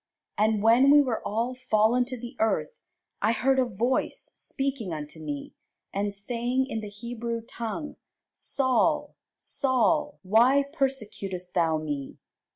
And when we were all fallen to the earth, I heard a voice speaking unto me, and saying in the Hebrew tongue, Saul, Saul, why persecutest thou me?